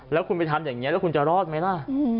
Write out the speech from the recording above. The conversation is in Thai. แล้วคุณไปทำอย่างนี้แล้วคุณจะรอดไหมล่ะ